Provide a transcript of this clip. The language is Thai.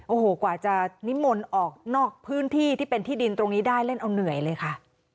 โอ้โหกว่าจะนิมนต์ออกนอกพื้นที่ที่เป็นที่ดินตรงนี้ได้เล่นเอาเหนื่อยเลยค่ะ